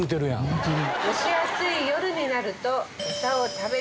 ホントに。